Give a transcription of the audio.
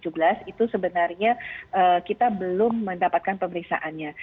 b satu ratus tujuh belas itu sebenarnya kita belum mendapatkan pemerisaannya